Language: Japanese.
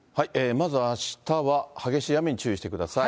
まず、あしたは激しい雨に注意してください。